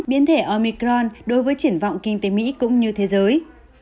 biến thể omicron đối với triển vọng kinh tế mỹ cũng như thế giới